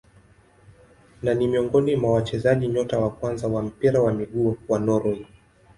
Na ni miongoni mwa wachezaji nyota wa kwanza wa mpira wa miguu wa Norway.